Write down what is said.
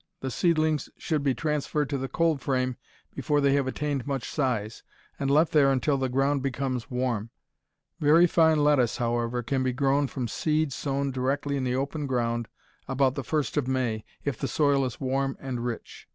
The seedlings should be transferred to the cold frame before they have attained much size, and left there until the ground becomes warm. Very fine lettuce, however, can be grown from seed sown directly in the open ground about the first of May, if the soil is warm and rich.